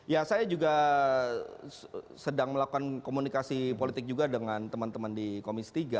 ya saya juga sedang melakukan komunikasi politik juga dengan teman teman di komisi tiga